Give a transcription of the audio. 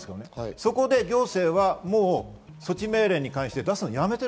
そこで行政は措置命令に関して出すのをやめている。